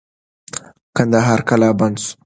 کندهار قلابند سو.